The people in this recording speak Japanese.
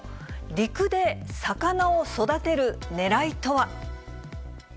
陸で魚を育てるねらいとは。